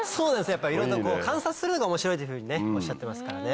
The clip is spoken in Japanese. やっぱりいろいろと観察するのが面白いというふうにおっしゃってますからね。